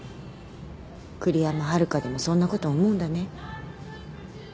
栗山ハルカでもそんなこと思うんだね。